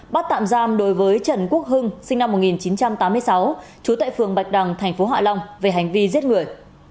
bắt tạm giam đối với trần quốc hưng sinh năm một nghìn chín trăm tám mươi sáu trú tại phường bạch đằng tp hạ long về hành vi giết người